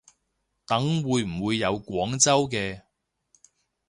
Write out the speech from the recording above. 等會唔會有廣州嘅